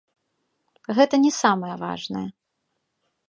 Гэта не самае важнае.